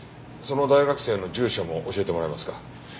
その大学生の住所も教えてもらえますか？